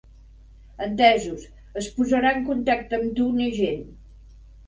Entesos, es posarà en contacte amb tu un agent.